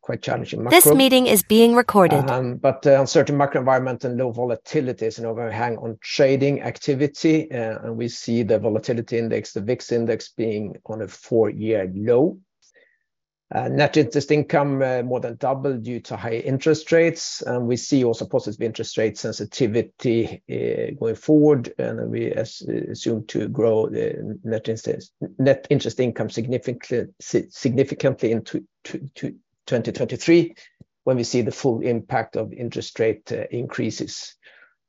Quite challenging macro. This meeting is being recorded. Uncertain macro environment and low volatilities in overhang on trading activity, we see the volatility index, the VIX index, being on a 4-year low. Net interest income more than doubled due to high interest rates, we see also positive interest rate sensitivity going forward, we assume to grow the net interest income significantly in 2023, when we see the full impact of interest rate increases.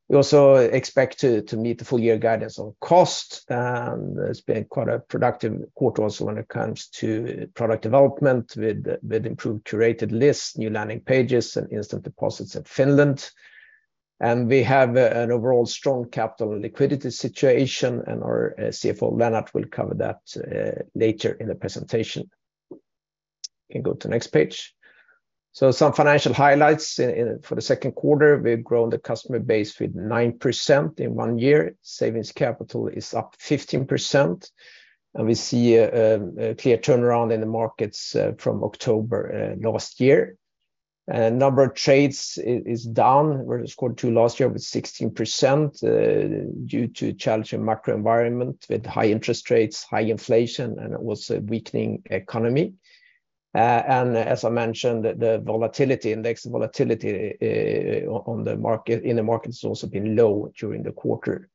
We also expect to meet the full year guidance on cost. It's been quite a productive quarter also when it comes to product development with improved curated lists, new landing pages, and instant deposits at Finland. We have an overall strong capital and liquidity situation, our CFO Lennart will cover that later in the presentation. You can go to the next page. Some financial highlights for the second quarter, we've grown the customer base with 9% in 1 year. Savings capital is up 15%, and we see a clear turnaround in the markets from October last year. Number of trades is down versus quarter 2 last year with 16% due to challenging macro environment with high interest rates, high inflation, and also a weakening economy. As I mentioned, the volatility index, the volatility on the market, in the market has also been low during the quarter.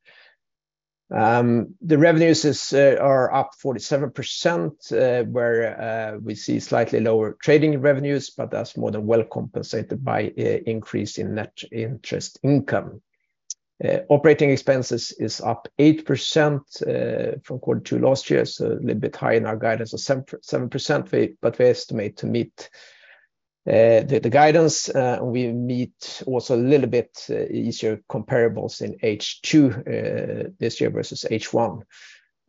The revenues are up 47% where we see slightly lower trading revenues, but that's more than well compensated by a increase in net interest income. OpEx is up 8% from Q2 last year, so a little bit higher in our guidance of 7%-7%, but we estimate to meet the guidance, and we meet also a little bit easier comparables in H2 this year versus H1.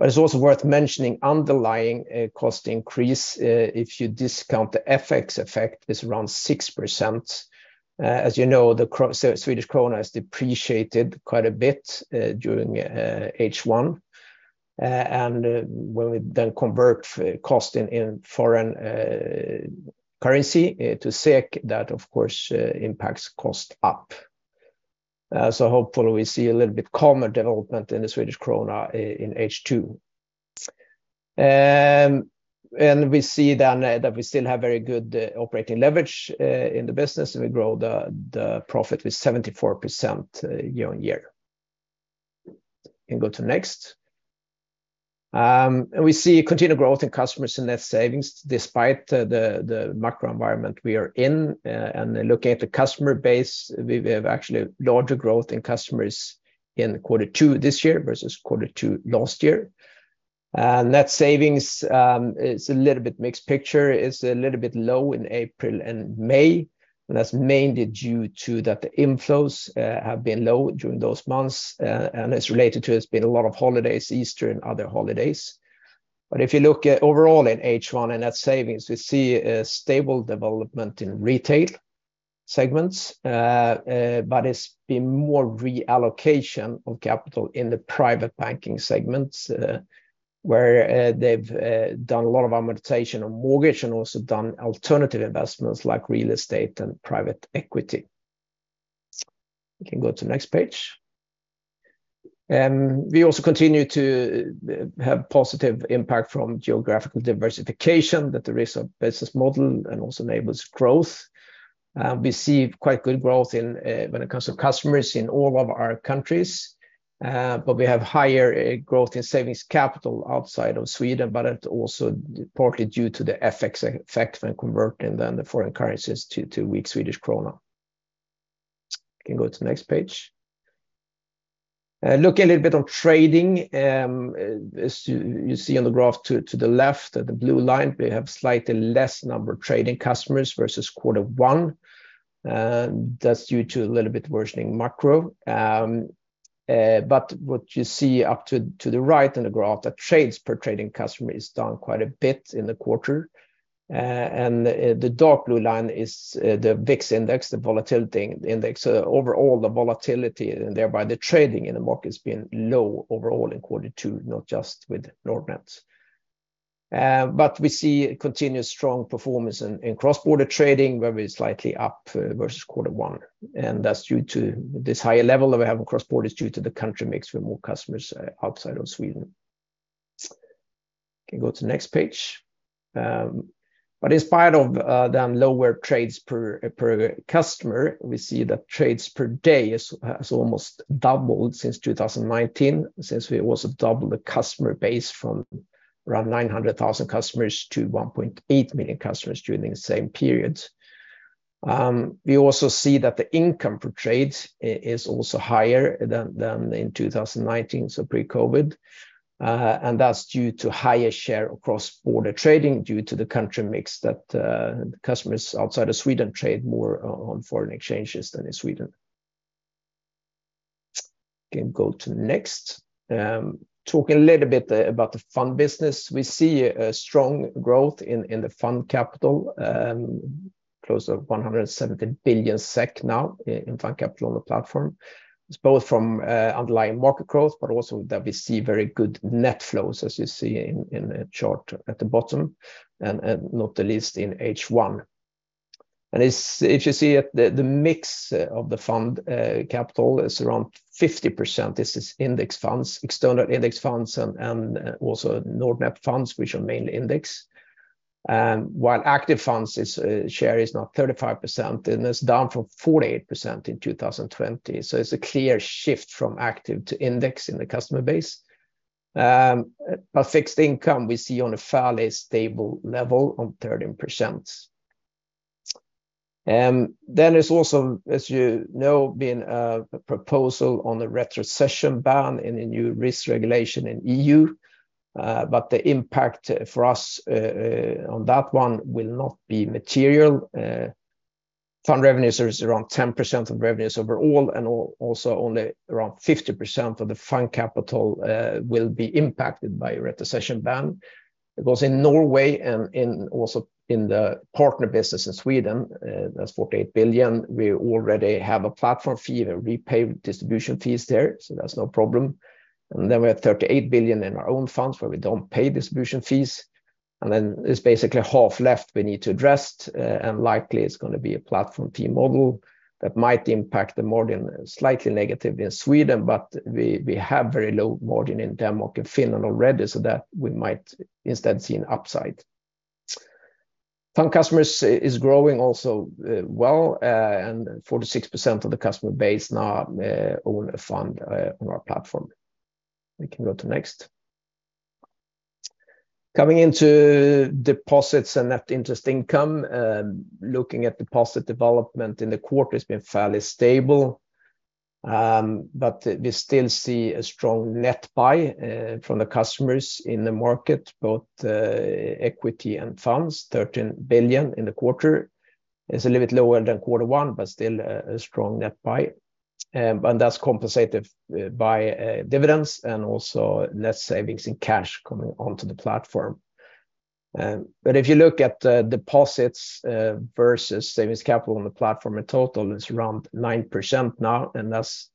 It's also worth mentioning, underlying cost increase, if you discount the FX effect, is around 6%. As you know, the Swedish krona has depreciated quite a bit during H1. When we then convert cost in foreign currency to SEK, that of course impacts cost up. Hopefully we see a little bit calmer development in the Swedish krona in H2. We see then that we still have very good operating leverage in the business, and we grow the profit with 74% year-on-year. You can go to next. We see continued growth in customers and net savings despite the macro environment we are in. Looking at the customer base, we have actually larger growth in customers in Q2 this year versus Q2 last year. Net savings is a little bit mixed picture. It's a little bit low in April and May, and that's mainly due to that the inflows have been low during those months, and it's related to there's been a lot of holidays, Easter and other holidays. If you look at overall in H1 in net savings, we see a stable development in retail segments, it's been more reallocation of capital in the private banking segments, where they've done a lot of amortization on mortgage and also done alternative investments like private equity. We can go to the next page. We also continue to have positive impact from geographical diversification, that there is a business model and also enables growth. We see quite good growth in when it comes to customers in all of our countries, but we have higher growth in savings capital outside of Sweden, but it's also partly due to the FX effect when converting then the foreign currencies to weak Swedish krona. Can go to the next page. Look a little bit on trading. As you see on the graph to the left, at the blue line, we have slightly less number of trading customers versus quarter one, that's due to a little bit worsening macro. What you see up to the right on the graph, that trades per trading customer is down quite a bit in the quarter. The dark blue line is the VIX index, the volatility index. Overall, the volatility and thereby the trading in the market has been low overall in quarter two, not just with Nordnet. We see continuous strong performance in cross-border trading, where we're slightly up versus quarter one, that's due to this higher level that we have in cross-border is due to the country mix with more customers outside of Sweden. Can go to the next page. In spite of the lower trades per customer, we see that trades per day has almost doubled since 2019, since we also doubled the customer base from around 900,000 customers to 1.8 million customers during the same period. We also see that the income per trade is also higher than in 2019, so pre-COVID, and that's due to higher share of cross-border trading due to the country mix that customers outside of Sweden trade more on foreign exchanges than in Sweden. Can go to next. Talk a little bit about the fund business. We see a strong growth in the fund capital, close to 170 billion SEK now in fund capital on the platform. It's both from underlying market growth, but also that we see very good net flows, as you see in the chart at the bottom, and not the least in H1. It's if you see at the mix of the fund capital is around 50%. This is index funds, external index funds, and also Nordnet funds, which are mainly index. While active funds is share is now 35%, and it's down from 48% in 2020. It's a clear shift from active to index in the customer base. Fixed income we see on a fairly stable level of 13%. There's also, as you know, been a proposal on the retrocession ban in the new risk regulation in EU. The impact for us on that one will not be material. Fund revenues is around 10% of revenues overall, also only around 50% of the fund capital will be impacted by retrocession ban. In Norway and also in the partner business in Sweden, that's 48 billion, we already have a platform fee, we pay distribution fees there, that's no problem. We have 38 billion in our own funds, where we don't pay distribution fees. It's basically half left we need to address, and likely it's gonna be a platform fee model that might impact the margin slightly negatively in Sweden, we have very low margin in Denmark and Finland already, we might instead see an upside. Fund customers is growing also, well, 46% of the customer base now own a fund on our platform. We can go to next. Coming into deposits and net interest income, looking at deposit development in the quarter has been fairly stable. We still see a strong net buy from the customers in the market, both equity and funds, 13 billion in the quarter. It's a little bit lower than quarter one, but still a strong net buy. That's compensated by dividends and also net savings in cash coming onto the platform. If you look at the deposits versus savings capital on the platform in total, it's around 9% now, and that's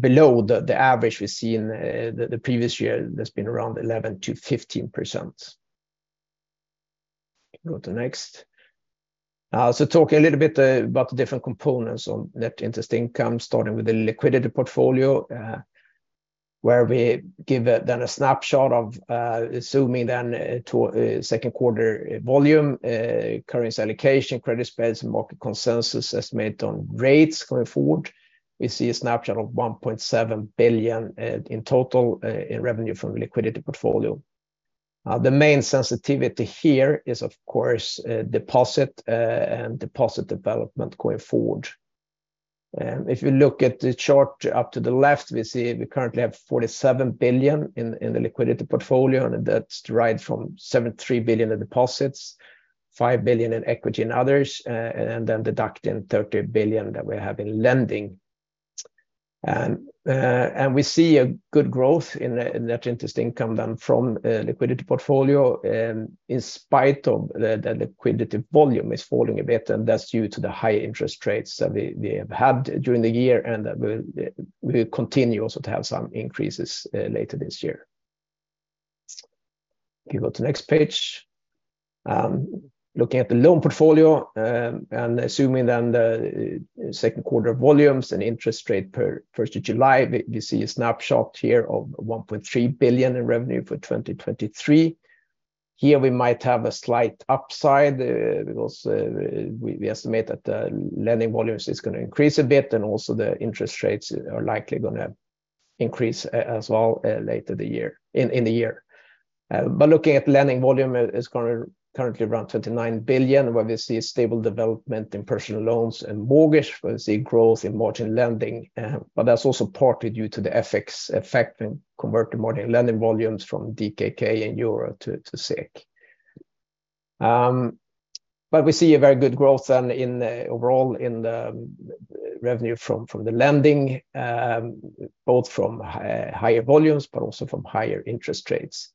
below the average we see in the previous year. That's been around 11%-15%. Go to next. Talk a little bit about the different components on net interest income, starting with the liquidity portfolio, where we give a then a snapshot of zooming then to second quarter volume, currency allocation, credit spreads, and market consensus estimate on rates going forward. We see a snapshot of 1.7 billion in total in revenue from liquidity portfolio. The main sensitivity here is, of course, deposit and deposit development going forward. If you look at the chart up to the left, we see we currently have 47 billion in the liquidity portfolio, and that's derived from 73 billion in deposits, 5 billion in equity and others, and then deducting 30 billion that we have in lending. We see a good growth in net interest income than from liquidity portfolio, in spite of the liquidity volume is falling a bit, and that's due to the high interest rates that we have had during the year, and we'll continue also to have some increases later this year. If you go to the next page. Looking at the loan portfolio, and assuming then the second quarter volumes and interest rate per 1st of July, we see a snapshot here of 1.3 billion in revenue for 2023. Here, we might have a slight upside, because we estimate that the lending volumes is gonna increase a bit, and also the interest rates are likely gonna increase as well, later the year, in the year. Looking at lending volume, it is currently around 29 billion, where we see a stable development in personal loans and mortgage. We see growth in margin lending, but that's also partly due to the FX effect in converting margin lending volumes from DKK and EUR to SEK. We see a very good growth then in the overall, in the revenue from the lending, both from higher volumes, but also from higher interest rates.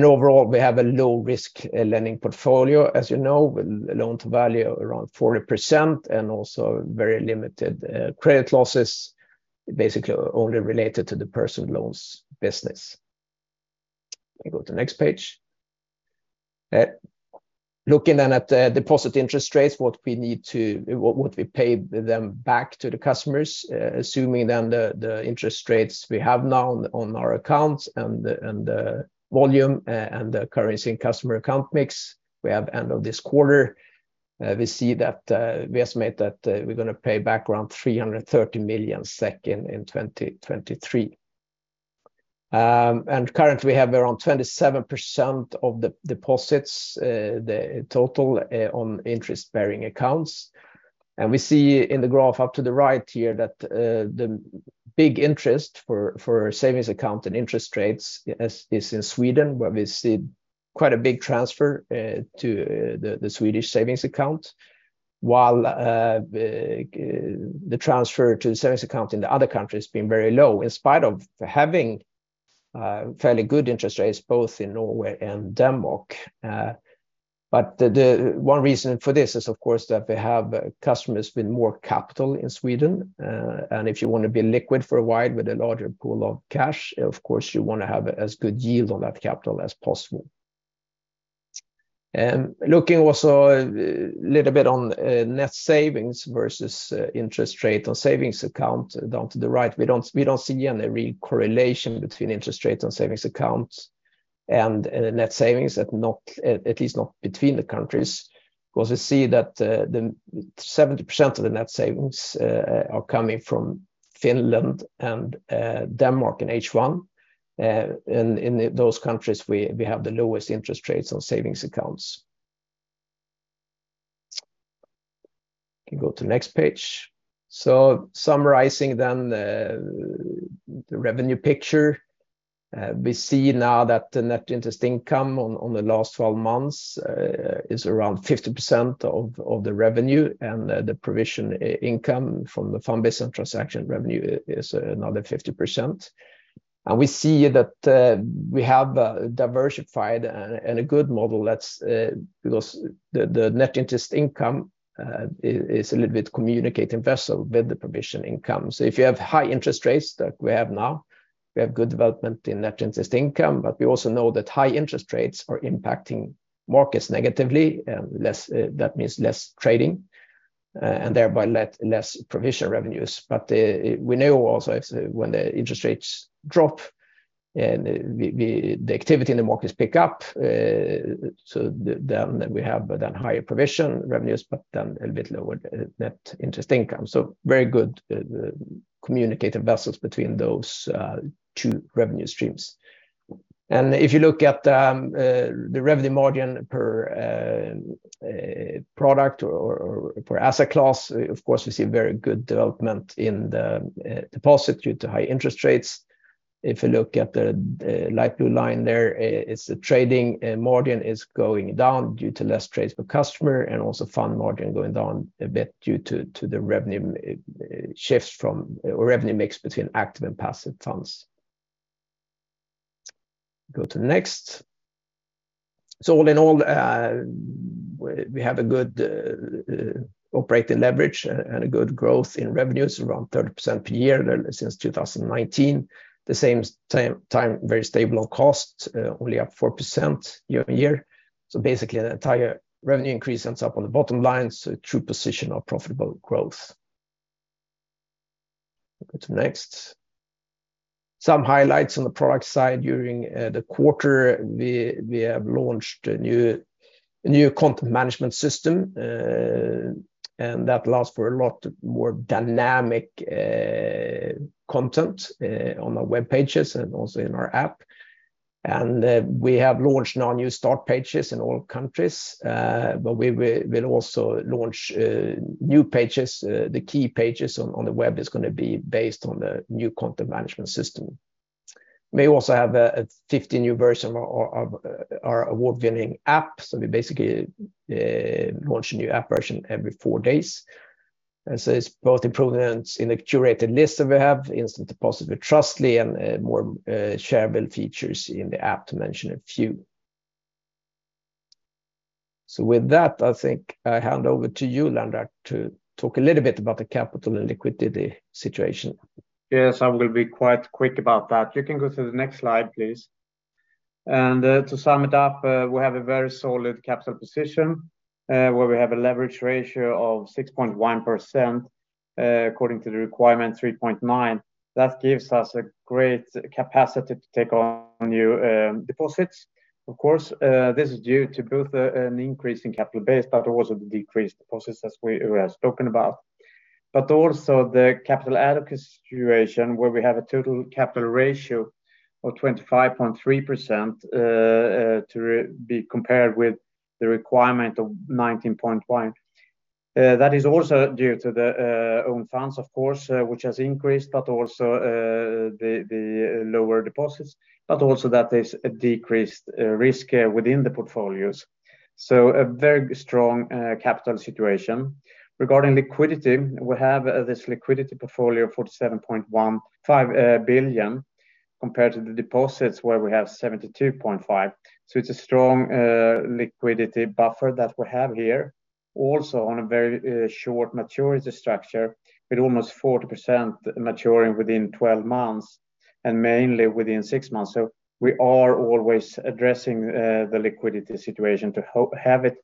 Overall, we have a low-risk lending portfolio, as you know, with a loan-to-value around 40% and also very limited credit losses, basically only related to the personal loans business. We go to the next page. Looking then at the deposit interest rates, what we need to... What we pay them back to the customers, assuming then the interest rates we have now on our accounts and the volume, and the currency and customer account mix we have end of this quarter, we see that we estimate that we're gonna pay back around 330 million SEK in 2023. Currently, we have around 27% of the deposits, the total, on interest-bearing accounts. We see in the graph up to the right here that the big interest for savings account and interest rates is in Sweden, where we see quite a big transfer to the Swedish savings account. while the transfer to savings account in the other countries has been very low, in spite of having fairly good interest rates, both in Norway and Denmark. The one reason for this is, of course, that they have customers with more capital in Sweden. If you want to be liquid for a while with a larger pool of cash, of course, you want to have as good yield on that capital as possible. Looking also a little bit on net savings versus interest rate on savings account, down to the right, we don't see any real correlation between interest rates on savings accounts and net savings, at least not between the countries. We see that the 70% of the net savings are coming from Finland and Denmark in H1. You can go to the next page. Summarizing, the revenue picture, we see now that the Net Interest Income on the last 12 months is around 50% of the revenue, and the provision income from the fund-based and transaction revenue is another 50%. We see that we have diversified and a good model that's because the Net Interest Income is a little bit communicating vessel with the provision income. If you have high interest rates that we have now, we have good development in net interest income, but we also know that high interest rates are impacting markets negatively, and less, that means less trading, and thereby less provision revenues. We know also when the interest rates drop and the activity in the markets pick up, then we have then higher provision revenues, but then a little bit lower net interest income. Very good communicative vessels between those two revenue streams. If you look at the revenue margin per product or per asset class, of course, we see very good development in the deposit due to high interest rates. If you look at the light blue line there, it's the trading margin is going down due to less trades per customer, and also fund margin going down a bit due to the revenue shifts from or revenue mix between active and passive funds. Go to the next. All in all, we have a good operating leverage and a good growth in revenues, around 30% per year since 2019. The same time, very stable of cost, only up 4% year-on-year. Basically, the entire revenue increase ends up on the bottom line, so true position of profitable growth. Go to next. Some highlights on the product side during the quarter, we have launched a new content management system, and that allows for a lot more dynamic content on our web pages and also in our app. We have launched now new start pages in all countries, but we will also launch new pages. The key pages on the web is going to be based on the new content management system. We also have a 50 new version of our award-winning app, so we basically launch a new app version every four days. It's both improvements in the curated list that we have, instant deposit with Trustly, and more shareable features in the app, to mention a few. With that, I think I hand over to you, Lennart, to talk a little bit about the capital and liquidity situation. Yes, I will be quite quick about that. You can go to the next slide, please. To sum it up, we have a very solid capital position, where we have a leverage ratio of 6.1%, according to the requirement 3.9%. That gives us a great capacity to take on new deposits. Of course, this is due to both an increase in capital base, but also the decreased deposits, as we have spoken about. Also the capital adequacy situation, where we have a total capital ratio of 25.3%, to be compared with the requirement of 19.1%. That is also due to the own funds, of course, which has increased, but also the lower deposits, but also that is a decreased risk within the portfolios. A very strong capital situation. Regarding liquidity, we have this liquidity portfolio of 47.15 billion, compared to the deposits, where we have 72.5 billion. It's a strong liquidity buffer that we have here. Also on a very short maturity structure, with almost 40% maturing within 12 months and mainly within 6 months. We are always addressing the liquidity situation to have it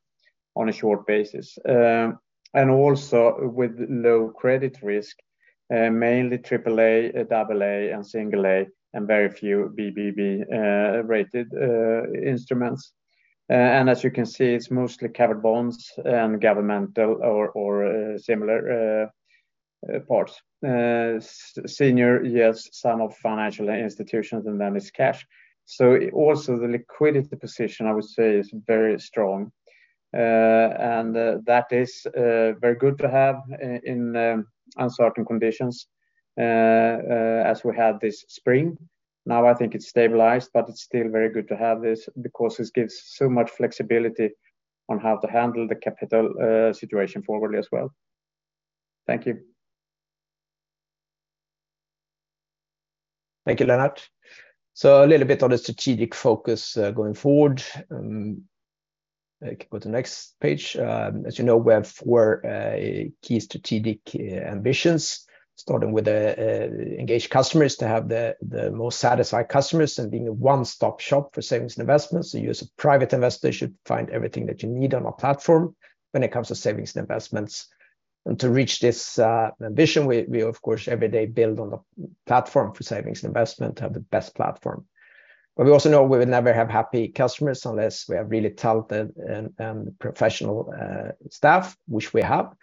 on a short basis. And also with low credit risk, mainly AAA, AA, and A, and very few BBB rated instruments. As you can see, it's mostly covered bonds and governmental or similar parts. Senior, yes, some of financial institutions, and then it's cash. Also the liquidity position, I would say, is very strong. That is very good to have in uncertain conditions, as we had this spring. Now I think it's stabilized, but it's still very good to have this because this gives so much flexibility on how to handle the capital situation forwardly as well. Thank you. Thank you, Lennart. A little bit on the strategic focus going forward. Go to the next page. As you know, we have four key strategic ambitions, starting with engaged customers, to have the most satisfied customers and being a one-stop shop for savings and investments. You as a private investor, should find everything that you need on our platform when it comes to savings and investments. To reach this ambition, we, of course, every day build on the platform for savings and investment to have the best platform. We also know we will never have happy customers unless we have really talented and professional staff, which we have.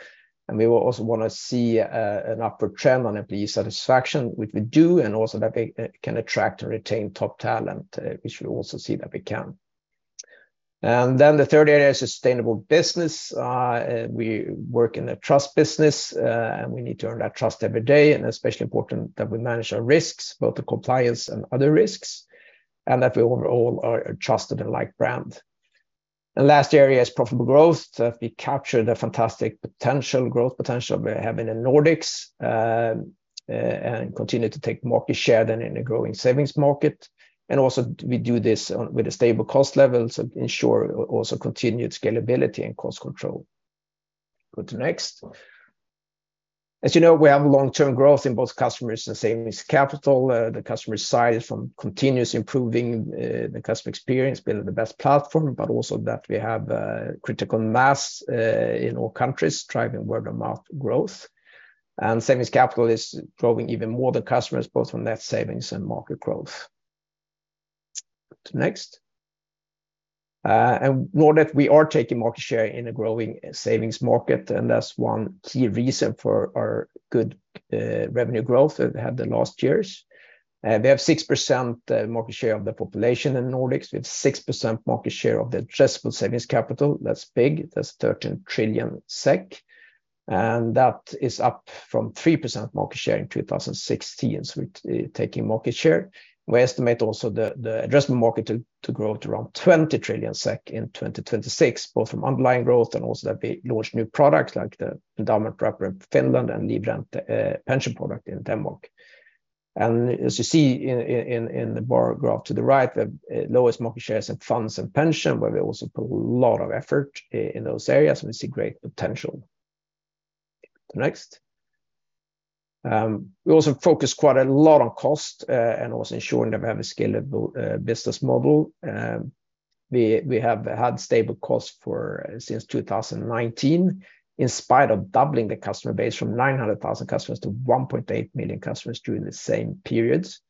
We will also want to see an upward trend on employee satisfaction, which we do, and also that we can attract and retain top talent, which we also see that we can. The third area is sustainable business. We work in a trust business, and we need to earn that trust every day, and especially important that we manage our risks, both the compliance and other risks, and that we overall are a trusted and liked brand. Last area is profitable growth. That we capture the fantastic potential, growth potential we have in the Nordics, and continue to take market share then in a growing savings market. Also, we do this with a stable cost level, so ensure also continued scalability and cost control. Go to next. As you know, we have long-term growth in both customers and savings capital. The customer side from continuous improving the customer experience, building the best platform, but also that we have critical mass in all countries, driving word-of-mouth growth. Savings capital is growing even more than customers, both from net savings and market growth. To next. Nordnet, we are taking market share in a growing savings market, and that's one key reason for our good revenue growth that we had the last years. We have 6% market share of the population in Nordics, with 6% market share of the addressable savings capital. That's big. That's 13 trillion SEK, and that is up from 3% market share in 2016. We're taking market share. We estimate also the addressable market to grow to around 20 trillion SEK in 2026, both from underlying growth and also that we launch new products like the endowment wrapper in Finland and livrente pension product in Denmark. As you see in the bar graph to the right, the lowest market shares in funds and pension, where we also put a lot of effort in those areas, and we see great potential. To next. We also focus quite a lot on cost and also ensuring that we have a scalable business model. We have had stable costs since 2019, in spite of doubling the customer base from 900,000 customers to 1.8 million customers during the same periods.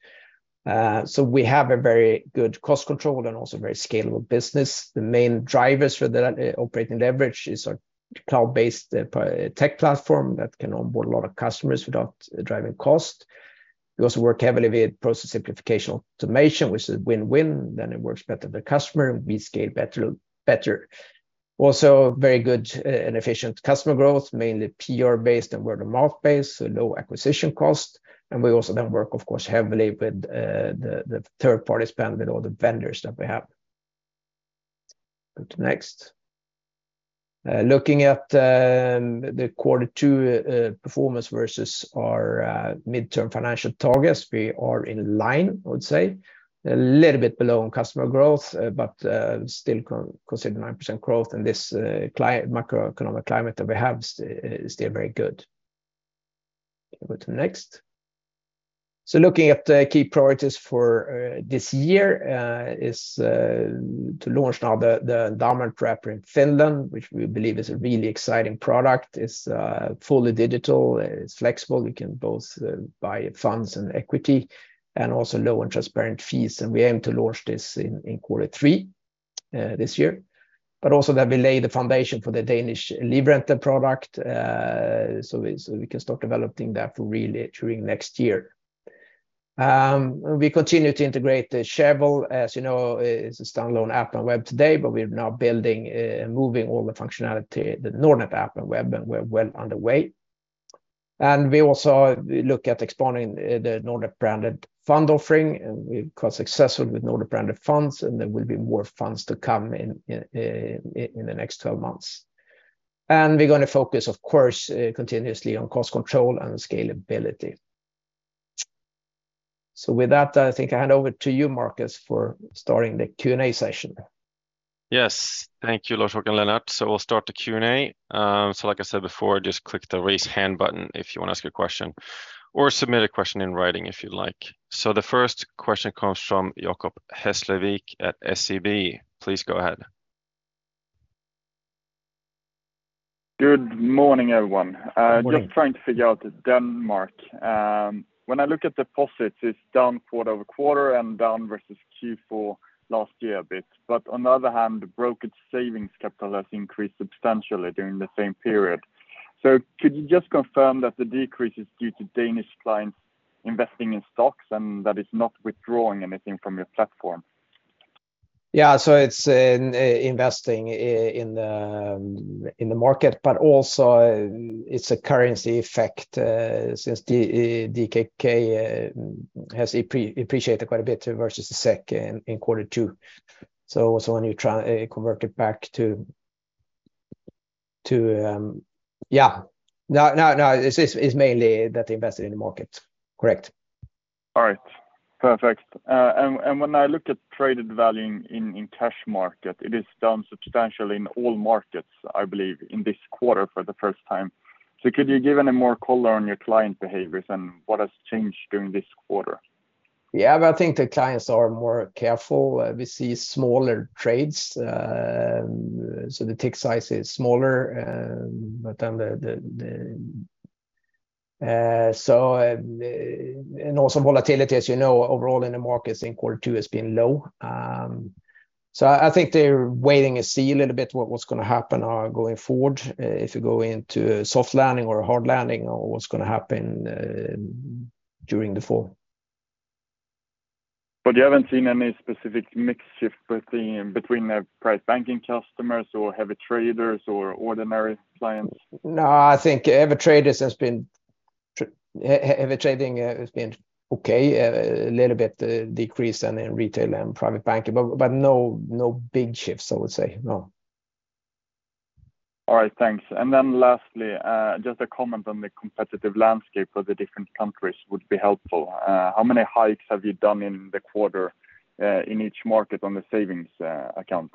We have a very good cost control and also very scalable business. The main drivers for the operating leverage is our cloud-based tech platform that can onboard a lot of customers without driving cost. We also work heavily with process simplification automation, which is a win-win, then it works better for the customer, and we scale better. Also, very good and efficient customer growth, mainly PR-based and word-of-mouth based, so low acquisition cost. We also then work, of course, heavily with the third-party spend with all the vendors that we have. To next. Looking at the quarter two performance versus our midterm financial targets, we are in line, I would say. A little bit below on customer growth, but still considering 9% growth in this macroeconomic climate that we have is still very good. Go to the next. Looking at the key priorities for this year is to launch now the endowment wrapper in Finland, which we believe is a really exciting product. It's fully digital, it's flexible. We can both buy funds and equity, and also low and transparent fees, and we aim to launch this in quarter three this year. Also, that we lay the foundation for the Danish livrente product, so we can start developing that for really during next year. We continue to integrate the Slevo. As you know, it's a standalone app on web today, we're now building, moving all the functionality, the Nordnet app and web, and we're well underway. We also look at expanding the Nordnet-branded fund offering, we've got successful with Nordnet-branded funds, and there will be more funds to come in the next 12 months. We're gonna focus, of course, continuously on cost control and scalability. With that, I think I hand over to you, Marcus, for starting the Q&A session. Yes. Thank you, Lars and Lennart. We'll start the Q&A. Like I said before, just click the Raise Hand button if you want to ask a question, or submit a question in writing if you'd like. The first question comes from Jacob Hesslevik at SEB. Please go ahead. Good morning, everyone. Good morning. Just trying to figure out Denmark. When I look at deposits, it's down quarter-over-quarter and down versus Q4 last year a bit. On the other hand, the brokerage savings capital has increased substantially during the same period. Could you just confirm that the decrease is due to Danish clients investing in stocks and that it's not withdrawing anything from your platform? Yeah, it's in investing in in the market, but also it's a currency effect since the DKK has appreciated quite a bit versus the SEK in quarter two. Also when you try convert it back. Yeah. No, no, it's mainly that they invested in the market. Correct. All right. Perfect. When I look at traded value in cash market, it is down substantially in all markets, I believe, in this quarter for the first time. Could you give any more color on your client behaviors and what has changed during this quarter? I think the clients are more careful. We see smaller trades, so the tick size is smaller. The volatility, as you know, overall in the markets in quarter two has been low. I think they're waiting to see a little bit what's gonna happen going forward, if you go into a soft landing or a hard landing or what's gonna happen during the fall. you haven't seen any specific mix shift between the private banking customers or heavy traders or ordinary clients? No, I think heavy traders has been heavy trading, has been okay, a little bit, decrease in retail and private banking, but no big shifts, I would say. No. All right, thanks. Lastly, just a comment on the competitive landscape of the different countries would be helpful. How many hikes have you done in the quarter, in each market on the savings accounts?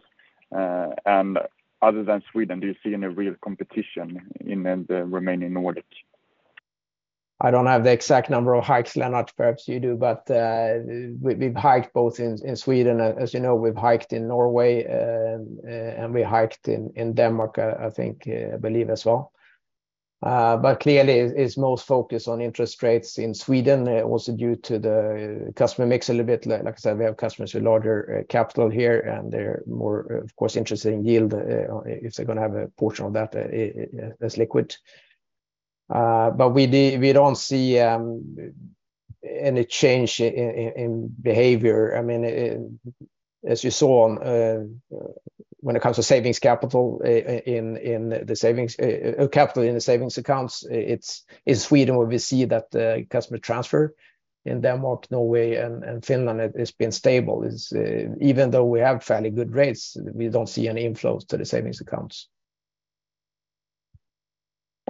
Other than Sweden, do you see any real competition in the remaining Nordic? I don't have the exact number of hikes, Lennart. Perhaps you do, but we've hiked both in Sweden, as you know, we've hiked in Norway, and we hiked in Denmark, I think, I believe as well. Clearly it's most focused on interest rates in Sweden, also due to the customer mix a little bit. Like I said, we have customers with larger capital here, and they're more, of course, interested in yield, if they're gonna have a portion of that as liquid. We don't see any change in behavior. I mean, as you saw on when it comes to savings capital in the savings capital in the savings accounts, it's Sweden where we see that customer transfer. In Denmark, Norway, and Finland, it's been stable. It's even though we have fairly good rates, we don't see any inflows to the savings accounts.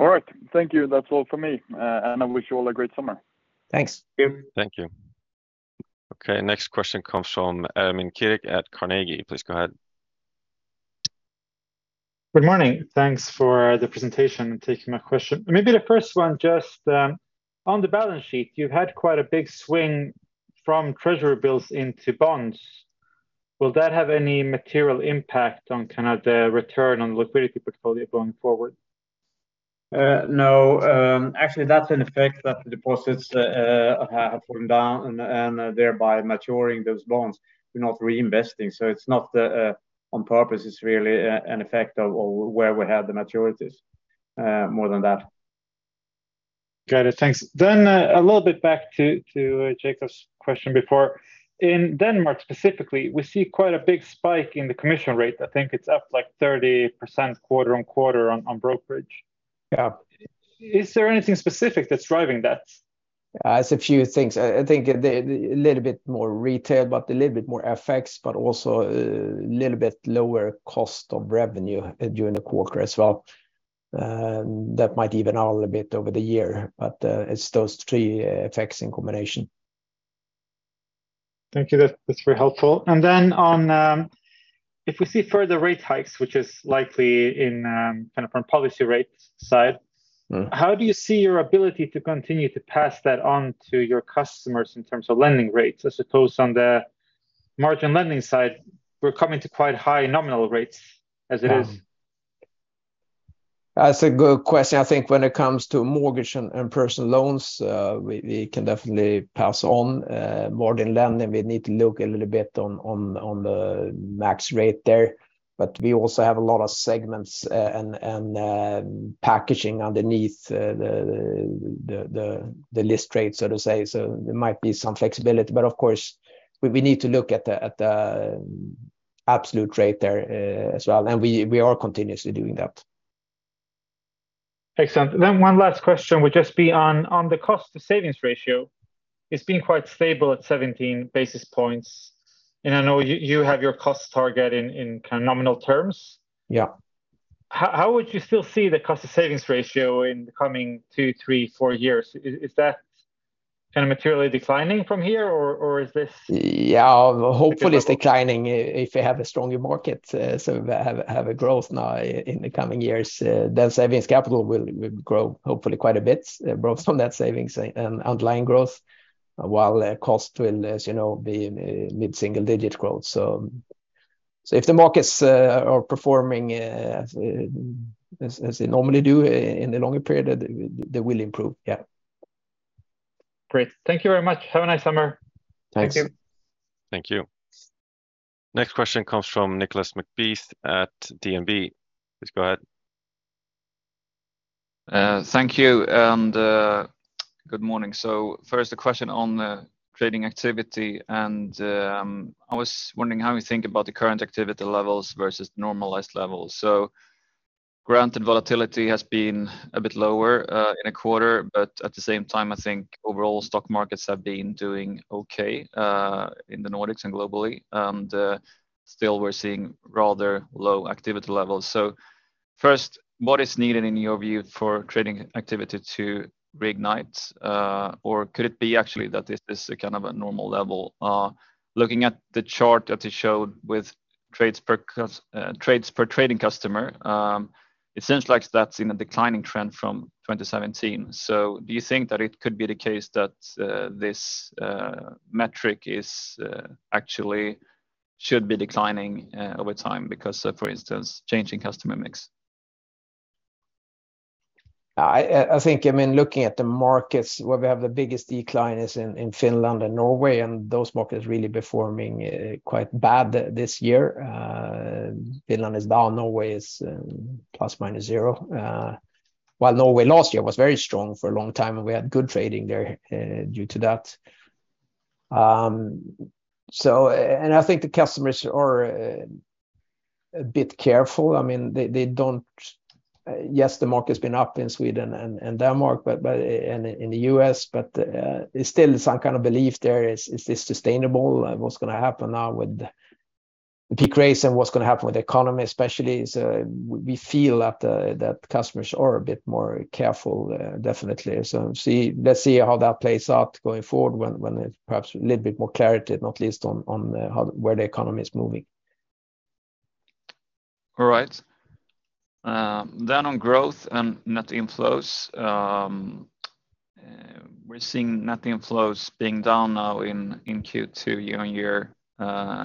All right. Thank you. That's all for me. I wish you all a great summer. Thanks. Thank you. Thank you. Okay, next question comes from Ermin Keric at Carnegie. Please go ahead. Good morning. Thanks for the presentation and taking my question. The first one, just on the balance sheet, you've had quite a big swing from treasury bills into bonds. Will that have any material impact on kind of the return on the liquidity portfolio going forward? No. Actually, that's an effect that the deposits have fallen down and thereby maturing those bonds. We're not reinvesting, so it's not the on purpose. It's really an effect of where we have the maturities more than that. Got it. Thanks. A little bit back to Jacob's question before. In Denmark, specifically, we see quite a big spike in the commission rate. I think it's up, like, 30% quarter-on-quarter on brokerage. Yeah. Is there anything specific that's driving that? It's a few things. I think the, a little bit more retail, but a little bit more FX, but also a little bit lower cost of revenue during the quarter as well. That might even out a little bit over the year. It's those three effects in combination. Thank you. That's very helpful. Then on if we see further rate hikes, which is likely in kind of from policy rate. How do you see your ability to continue to pass that on to your customers in terms of lending rates, as opposed on the margin lending side, we're coming to quite high nominal rates as it is? That's a good question. I think when it comes to mortgage and personal loans, we can definitely pass on more than lending. We need to look a little bit on the max rate there, but we also have a lot of segments, and packaging underneath the list rate, so to say. There might be some flexibility, but of course, we need to look at the absolute rate there, as well, and we are continuously doing that. Excellent. One last question would just be on the cost savings ratio. It's been quite stable at 17 basis points, and I know you have your cost target in kind of nominal terms. Yeah. How would you still see the cost of savings ratio in the coming 2, 3, 4 years? Is that kind of materially declining from here, or? Hopefully it's declining if you have a stronger market, so have a growth now in the coming years, then savings capital will grow hopefully quite a bit, both from that savings and underlying growth, while cost will, as you know, be in mid-single-digit growth. If the markets are performing as they normally do in the longer period, they will improve. Yeah. Great. Thank you very much. Have a nice summer. Thanks. Thank you. Thank you. Next question comes from Nicolas McBeath at DNB. Please go ahead. Thank you, and good morning. First, a question on the trading activity, and I was wondering how you think about the current activity levels versus normalized levels. Granted, volatility has been a bit lower in a quarter, but at the same time, I think overall stock markets have been doing okay in the Nordics and globally, and still we're seeing rather low activity levels. First, what is needed, in your view, for trading activity to reignite? Could it be actually that this is a kind of a normal level? Looking at the chart that you showed with trades per trading customer, it seems like that's in a declining trend from 2017. Do you think that it could be the case that this metric is actually should be declining over time because of, for instance, changing customer mix? I think, I mean, looking at the markets, where we have the biggest decline is in Finland and Norway, and those markets really performing quite bad this year. Finland is down, Norway is plus minus zero. While Norway last year was very strong for a long time, and we had good trading there due to that. And I think the customers are a bit careful. I mean, they don't, yes, the market's been up in Sweden and Denmark, but, and in the U.S., it's still some kind of belief there. Is this sustainable? What's gonna happen now with the peak race, and what's gonna happen with the economy especially? We feel that customers are a bit more careful, definitely. Let's see how that plays out going forward, when it perhaps a little bit more clarity, not least on, how, where the economy is moving. All right. On growth and net inflows, we're seeing net inflows being down now in Q2 year-on-year,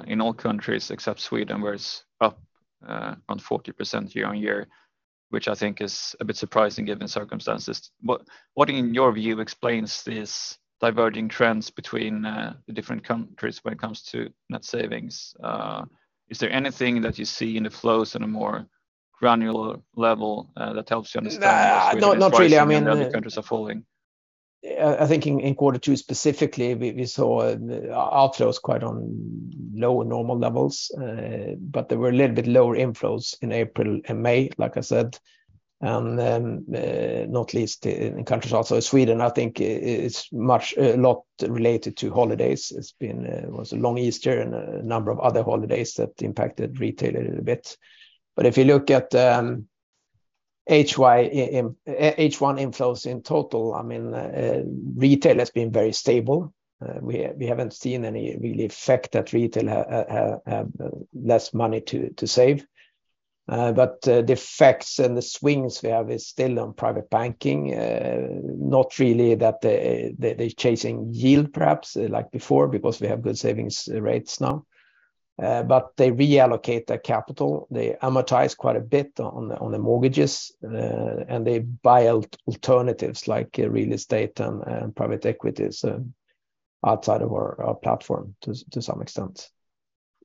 in all countries except Sweden, where it's up on 40% year-on-year, which I think is a bit surprising given the circumstances. What, in your view, explains these diverging trends between the different countries when it comes to net savings? Is there anything that you see in the flows in a more granular level that helps you understand. No, not really. I mean. Other countries are falling. I think in quarter 2 specifically, we saw outflows quite on lower normal levels, but there were a little bit lower inflows in April and May, like I said, and then, not least in countries, also Sweden, I think it's a lot related to holidays. It was a long Easter and a number of other holidays that impacted retail a little bit. If you look at H1 inflows in total, I mean, retail has been very stable. We, we haven't seen any really effect that retail have less money to save. The effects and the swings we have is still on private banking. Not really that they're chasing yield, perhaps, like before, because we have good savings rates now. They reallocate their capital, they amortize quite a bit on the, on the mortgages, and they buy alternatives like real estate and private equities, outside of our platform to some extent.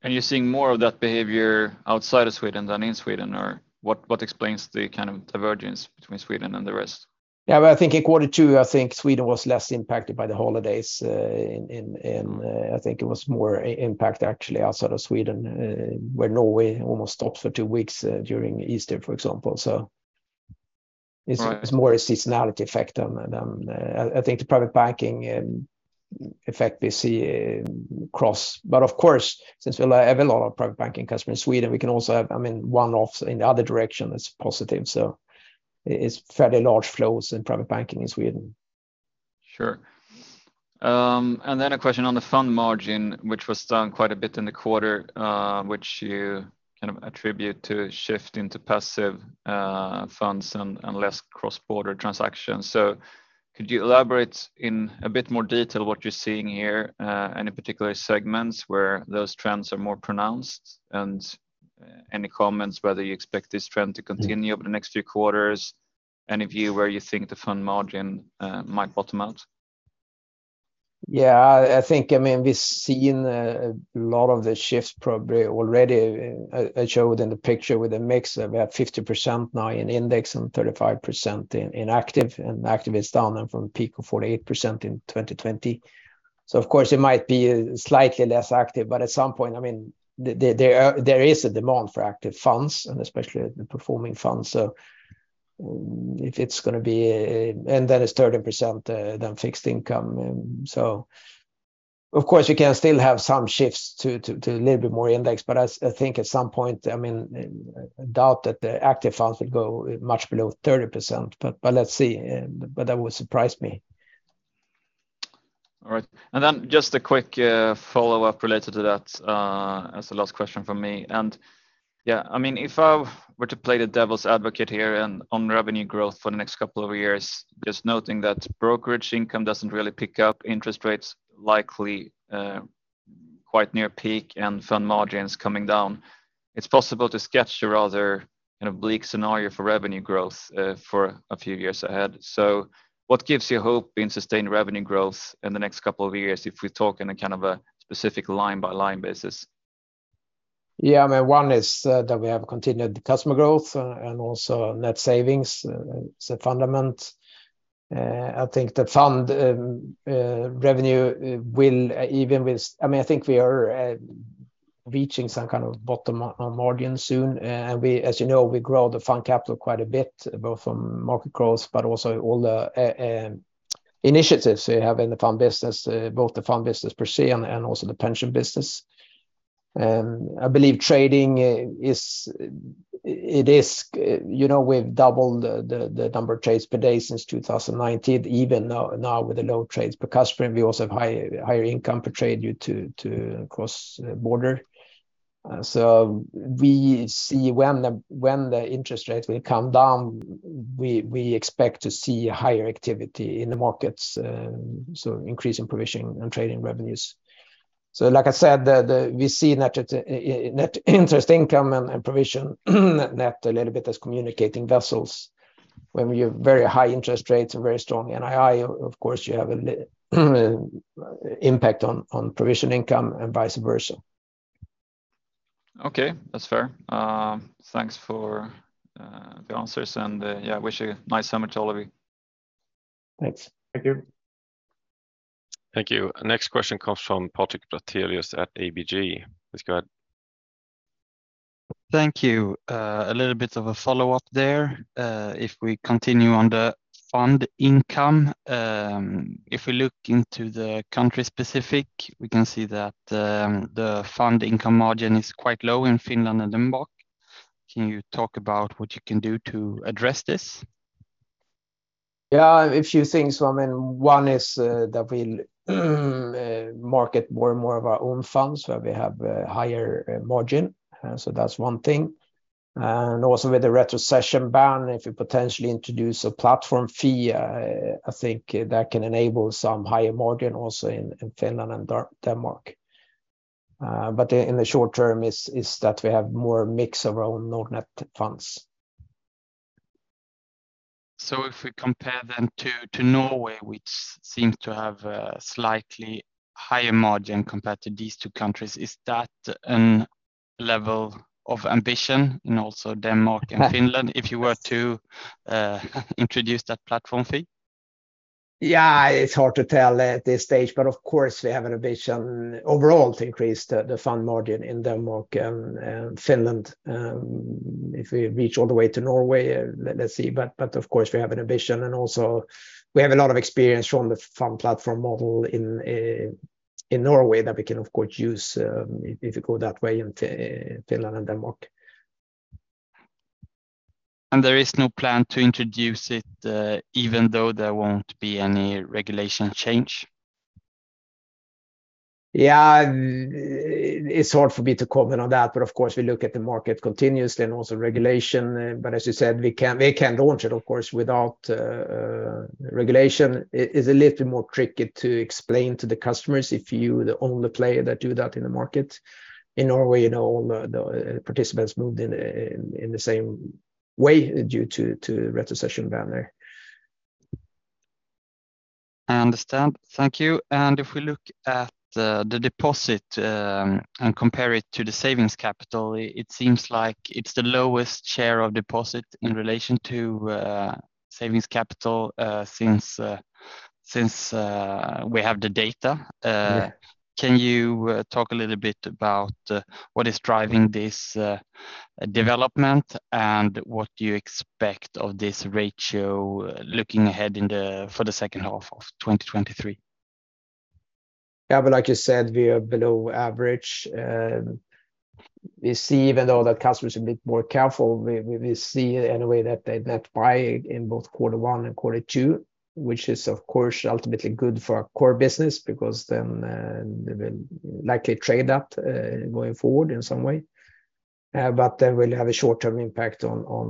You're seeing more of that behavior outside of Sweden than in Sweden, or what explains the kind of divergence between Sweden and the rest? I think in quarter two, I think Sweden was less impacted by the holidays. I think it was more impact actually outside of Sweden, where Norway almost stopped for two weeks during Easter, for example. Right It's more a seasonality effect on, I think the private banking effect we see across. Of course, since we have a lot of private banking customer in Sweden, we can also have, I mean, one off in the other direction, it's positive. It's fairly large flows in private banking in Sweden. Sure. A question on the fund margin, which was down quite a bit in the quarter, which you kind of attribute to a shift into passive funds and less cross-border transactions. Could you elaborate in a bit more detail what you're seeing here, any particular segments where those trends are more pronounced? Any comments whether you expect this trend to continue Over the next few quarters? Any view where you think the fund margin might bottom out? Yeah, I think, I mean, we've seen a lot of the shifts probably already. I showed in the picture with a mix of about 50% now in index and 35% in active, and active is down from a peak of 48% in 2020. Of course, it might be slightly less active, but at some point, I mean, there is a demand for active funds and especially the performing funds. If it's gonna be... Then it's 30% then fixed income. Of course, you can still have some shifts to a little bit more index, but I think at some point, I mean, I doubt that the active funds will go much below 30%. Let's see. That would surprise me. All right. Just a quick follow-up related to that, as the last question from me. Yeah, I mean, if I were to play the devil's advocate here and on revenue growth for the next couple of years, just noting that brokerage income doesn't really pick up interest rates, likely, quite near peak and fund margins coming down, it's possible to sketch a rather kind of bleak scenario for revenue growth, for a few years ahead. What gives you hope in sustained revenue growth in the next couple of years, if we talk in a kind of a specific line-by-line basis? I mean, one is that we have continued customer growth and also net savings as a fundament. I think the fund revenue will I mean, I think we are reaching some kind of bottom on margin soon. We, as you know, we grow the fund capital quite a bit, both from market growth, but also all the initiatives we have in the fund business, both the fund business per se, and also the pension business. I believe trading is, you know, we've doubled the number of trades per day since 2019, even now with the low trades per customer, we also have higher income per trade due to across border. We see when the interest rates will come down, we expect to see higher activity in the markets, so increase in provision and trading revenues. Like I said, we see net interest income and provision, net a little bit as communicating vessels. When we have very high interest rates and very strong NII, of course, you have a impact on provision income and vice versa. Okay, that's fair. Thanks for the answers, and wish you a nice summer to all of you. Thanks. Thank you. Thank you. Next question comes from Patrik Platelius at ABG. Please go ahead. Thank you. A little bit of a follow-up there. If we continue on the fund income, if we look into the country specific, we can see that the fund income margin is quite low in Finland and Denmark. Can you talk about what you can do to address this? Yeah, a few things. I mean, one is that we'll market more and more of our own funds, where we have a higher margin. That's one thing. Also with the retrocession ban, if you potentially introduce a platform fee, I think that can enable some higher margin also in Finland and Denmark. In the short term is that we have more mix of our own Nordnet funds. If we compare them to Norway, which seems to have a slightly higher margin compared to these two countries, is that a level of ambition in also Denmark and Finland, if you were to introduce that platform fee? It's hard to tell at this stage, of course, we have an ambition overall to increase the fund margin in Denmark and Finland. If we reach all the way to Norway, let's see. Of course, we have an ambition, and also we have a lot of experience from the fund platform model in Norway, that we can, of course, use, if we go that way in Finland and Denmark. There is no plan to introduce it, even though there won't be any regulation change? It's hard for me to comment on that, but of course, we look at the market continuously and also regulation. As you said, we can't launch it, of course, without regulation. It is a little bit more tricky to explain to the customers if you the only player that do that in the market. In Norway, you know, all the participants moved in the same way due to retrocession ban. I understand. Thank you. If we look at the deposit, and compare it to the savings capital, it seems like it's the lowest share of deposit in relation to savings capital, since we have the data. Yeah. Can you talk a little bit about what is driving this development, and what do you expect of this ratio, looking ahead for the second half of 2023? Like you said, we are below average. We see even though that customer is a bit more careful, we see anyway, that they buy in both quarter one and quarter two, which is, of course, ultimately good for our core business, because then they will likely trade up going forward in some way. Will have a short-term impact on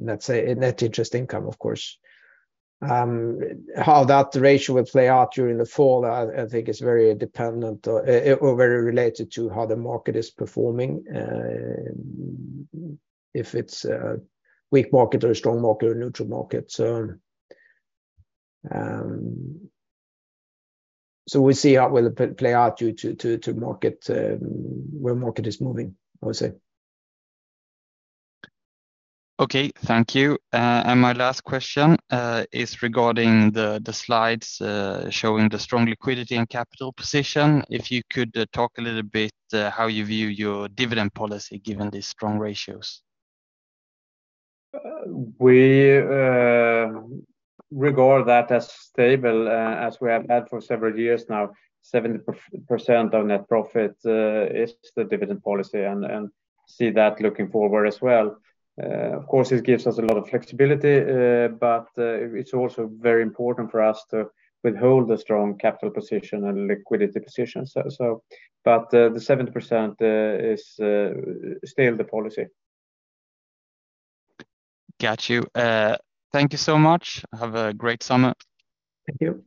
let's say, net interest income, of course. How that ratio will play out during the fall, I think is very dependent or very related to how the market is performing, if it's a weak market or a strong market or a neutral market. So we'll see how will it play out due to market where market is moving, I would say. Okay, thank you. My last question is regarding the slides, showing the strong liquidity and capital position. If you could talk a little bit, how you view your dividend policy, given these strong ratios? We regard that as stable, as we have had for several years now. 70% of net profit is the dividend policy and see that looking forward as well. Of course, it gives us a lot of flexibility, but it's also very important for us to withhold a strong capital position and liquidity position. But the 70% is still the policy. Got you. Thank you so much. Have a great summer. Thank you.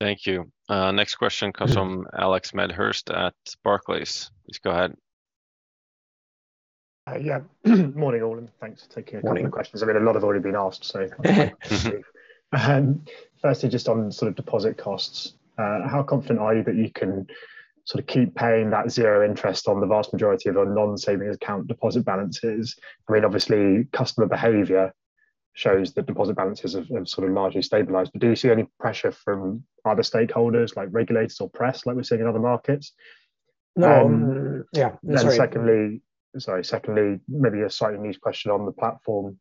Thank you. Next question comes from Alex Medhurst at Barclays. Please go ahead. Yeah. Morning, all. Morning Questions. I mean, a lot have already been asked, so. Firstly, just on sort of deposit costs, how confident are you that you can sort of keep paying that 0 interest on the vast majority of our non-savings account deposit balances? I mean, obviously, customer behavior shows that deposit balances have sort of largely stabilized, but do you see any pressure from other stakeholders, like regulators or press, like we're seeing in other markets? No. Yeah, sorry. Secondly, sorry. Secondly, maybe a slightly news question on the platform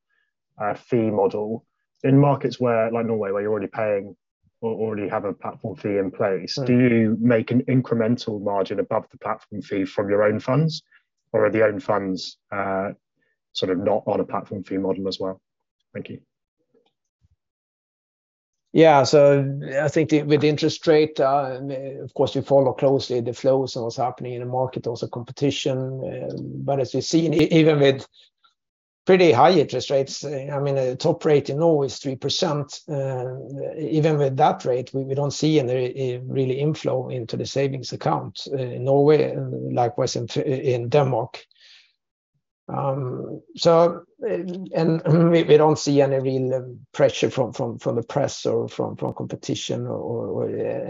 fee model. In markets where, like Norway, where you're already paying or already have a platform fee in place. Right Do you make an incremental margin above the platform fee from your own funds, or are the own funds, sort of not on a platform fee model as well? Thank you. Yeah. I think with interest rate, of course, we follow closely the flows and what's happening in the market, also competition. As we've seen, even with pretty high interest rates, I mean, the top rate in Norway is 3%. Even with that rate, we don't see any really inflow into the savings account in Norway, and likewise in Denmark. And we don't see any real pressure from the press or from competition or.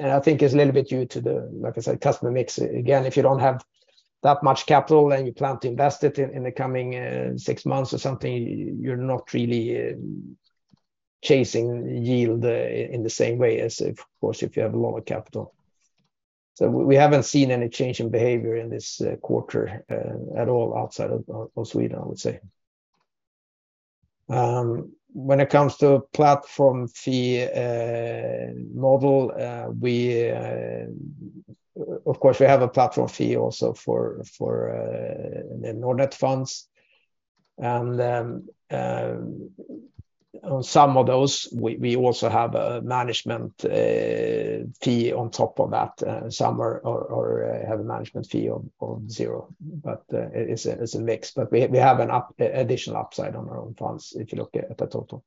I think it's a little bit due to the, like I said, customer mix. Again, if you don't have that much capital, and you plan to invest it in the coming, six months or something, you're not really, chasing yield, in the same way as if, of course, if you have a lot of capital. We, we haven't seen any change in behavior in this, quarter, at all, outside of Sweden, I would say. When it comes to platform fee model, we, of course, we have a platform fee also for the Nordnet funds. On some of those, we also have a management fee on top of that. Some are have a management fee of 0, but it's a mix. We have an additional upside on our own funds, if you look at the total.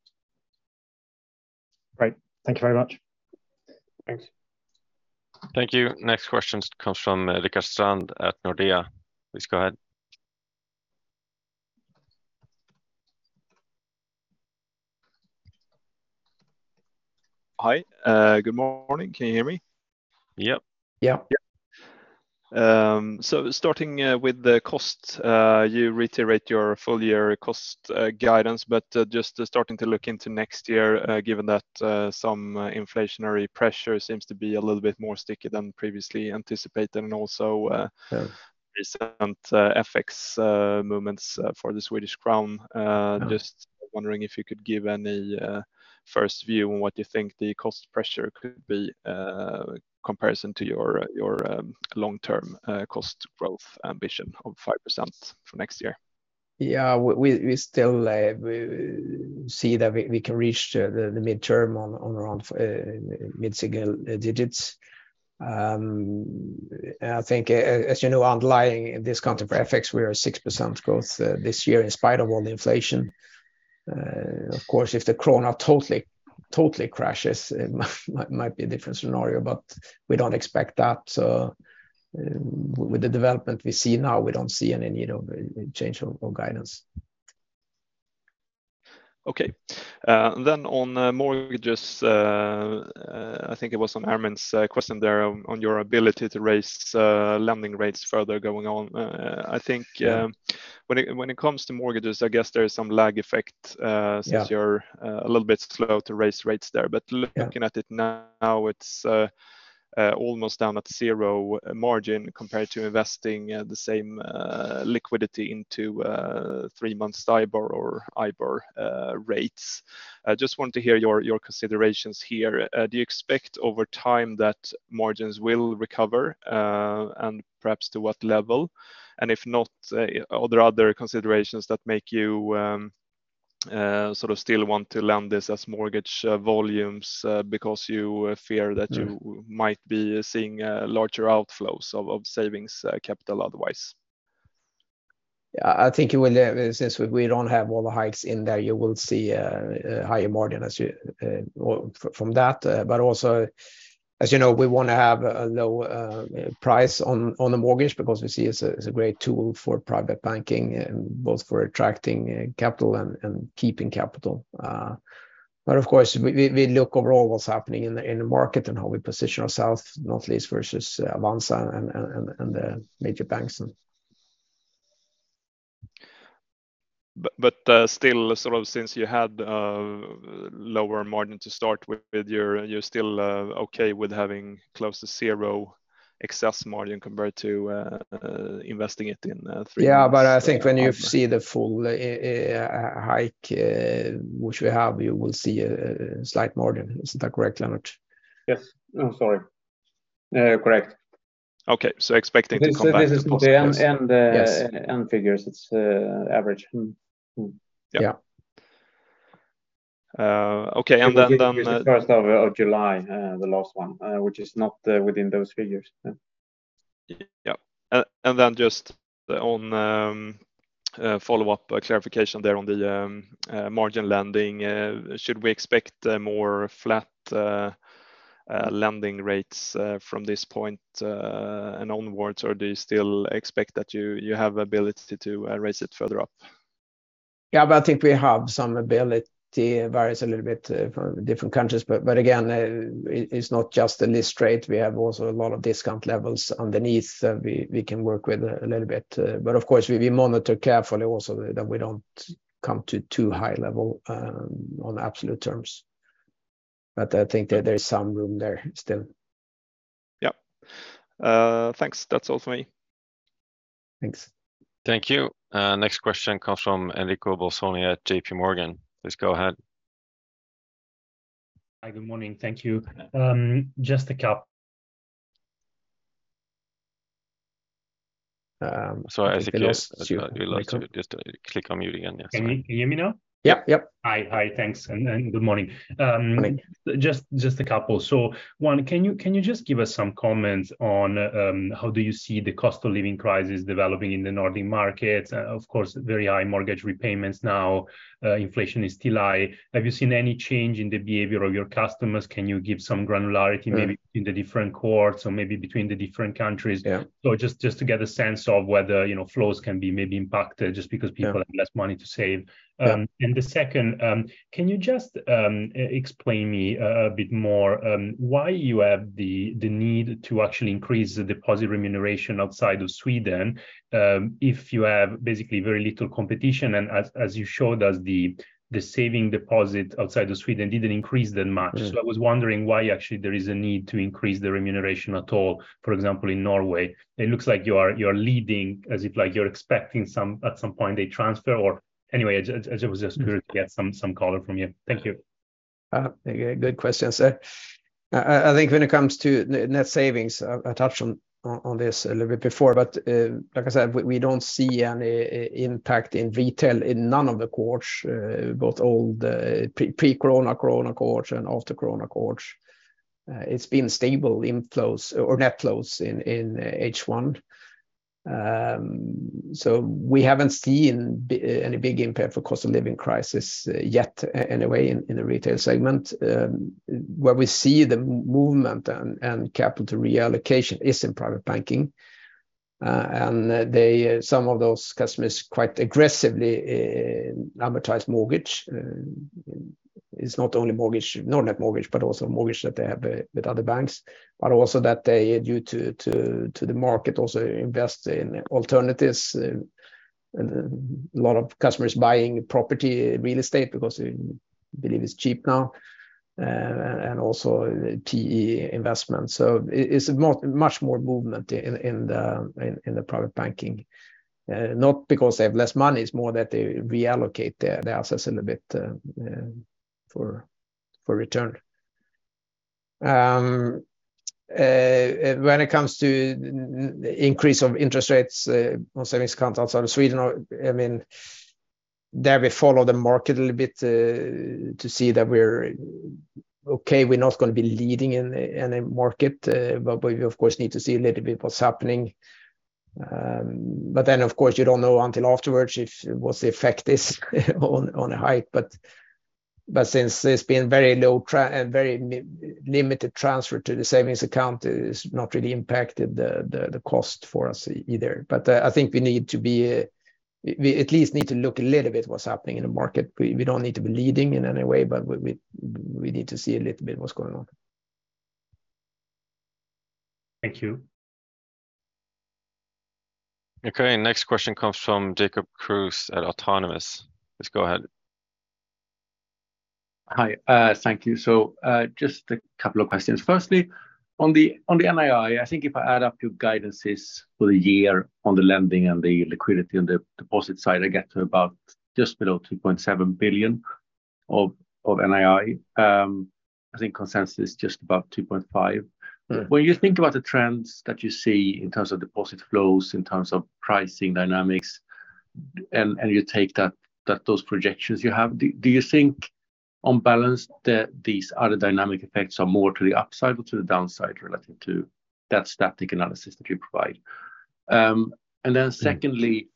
Great. Thank you very much. Thanks. Thank you. Next question comes from Richard Strand at Nordea. Please go ahead. Hi, good morning. Can you hear me? Yep. Yeah. Yep. Starting with the cost, you reiterate your full year cost guidance, but just starting to look into next year, given that some inflationary pressure seems to be a little bit more sticky than previously anticipated, and also. Yeah Recent FX movements for the Swedish crown. Yeah Just wondering if you could give any first view on what you think the cost pressure could be comparison to your long-term cost growth ambition of 5% for next year? Yeah, we still see that we can reach the midterm on around mid-single digits. I think, as you know, underlying this counter for FX, we are 6% growth this year, in spite of all the inflation. Of course, if the krona totally crashes, it might be a different scenario, we don't expect that. With the development we see now, we don't see any, you know, change of guidance. Okay. On mortgages, I think it was on Ermin's question there on your ability to raise lending rates further going on. I think Yeah When it comes to mortgages, I guess there is some lag effect. Yeah Since you're a little bit slow to raise rates there. Yeah. Looking at it now, it's almost down at zero margin compared to investing the same liquidity into three months LIBOR or IBOR rates. I just want to hear your considerations here. Do you expect over time that margins will recover and perhaps to what level? If not, are there other considerations that make you sort of still want to lend this as mortgage volumes, because you fear that you. Yeah Might be seeing, larger outflows of savings, capital otherwise? Yeah, I think it will, since we don't have all the hikes in there, you will see a higher margin as you from that. Also, as you know, we wanna have a low price on the mortgage because we see it as a great tool for private banking, both for attracting capital and keeping capital. Of course, we look overall what's happening in the market and how we position ourselves, not least versus Avanza and the major banks. Still, sort of since you had lower margin to start with, you're still okay with having close to zero excess margin compared to investing it in three months? Yeah, I think when you see the full hike, which we have, you will see a slight margin. Isn't that correct, Lennart? Yes. I'm sorry. correct. Okay, expecting to come back to- This is the end. Yes End figures. It's average. Mm. Yep. Yeah. Okay, then. First of July, the last one, which is not within those figures. Yeah. Yep. Then just on, follow-up clarification there on the margin lending, should we expect more flat lending rates from this point and onwards, or do you still expect that you have ability to raise it further up? Yeah, I think we have some ability, varies a little bit for different countries. Again, it's not just the list rate. We have also a lot of discount levels underneath, we can work with a little bit. Of course, we monitor carefully also that we don't come to too high level, on absolute terms. I think that there's some room there still. Yeah. Thanks. That's all for me. Thanks. Thank you. Next question comes from Enrico Bolzoni at JP Morgan. Please go ahead. Hi, good morning. Thank you. Just a couple. Sorry, I suggest you just click on mute again. Yes. Can you hear me now? Yep, yep. Hi. Hi, thanks, good morning. Good morning. Just a couple. One, can you just give us some comments on how do you see the cost of living crisis developing in the northern markets? Of course, very high mortgage repayments now, inflation is still high. Have you seen any change in the behavior of your customers? Can you give some granularity maybe. Yeah In the different cohorts or maybe between the different countries? Yeah. Just to get a sense of whether, you know, flows can be maybe impacted just. Yeah People have less money to save. Yeah. The second, can you just explain me a bit more, why you have the need to actually increase the deposit remuneration outside of Sweden, if you have basically very little competition, and as you showed us, the saving deposit outside of Sweden didn't increase that much? Yeah. I was wondering why actually there is a need to increase the remuneration at all. For example, in Norway, it looks like you are leading, as if like you're expecting at some point, a transfer or... It was just curious to get some color from you. Thank you. Good questions there. I think when it comes to net savings, I touched on this a little bit before, but, like I said, we don't see any impact in retail in none of the cohorts, both old, pre-corona, corona cohorts, and after corona cohorts. It's been stable inflows or net flows in H1. We haven't seen any big impact for cost of living crisis yet, anyway, in the retail segment. Where we see the movement and capital reallocation is in private banking. They, some of those customers quite aggressively advertise mortgage. It's not only mortgage, Nordnet mortgage, but also mortgage that they have with other banks, but also that they, due to the market, also invest in alternatives, and a lot of customers buying property, real estate, because they believe it's cheap now, and also PE investments. It's more, much more movement in the private banking, not because they have less money, it's more that they reallocate their assets a little bit for return. When it comes to increase of interest rates on savings accounts outside of Sweden, I mean, there we follow the market a little bit to see that we're okay. We're not going to be leading in a market, but we, of course, need to see a little bit what's happening. Of course, you don't know until afterwards if, what the effect is on a hike. Since it's been very low and very limited transfer to the savings account, it has not really impacted the cost for us either. I think we need to be, we at least need to look a little bit what's happening in the market. We don't need to be leading in any way, but we need to see a little bit what's going on. Thank you. Okay, next question comes from Jacob Kruse at Autonomous Research. Please go ahead. Hi, thank you. Just a couple of questions. Firstly, on the NII, I think if I add up your guidances for the year on the lending and the liquidity on the deposit side, I get to about just below 2.7 billion of NII. I think consensus is just about 2.5 billion. Yeah. When you think about the trends that you see in terms of deposit flows, in terms of pricing dynamics, and you take that those projections you have, do you think on balance, that these other dynamic effects are more to the upside or to the downside relating to that static analysis that you provide? Secondly. Yeah